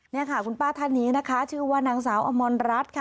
นี่ค่ะคุณป้าท่านนี้นะคะชื่อว่านางสาวอมรรัฐค่ะ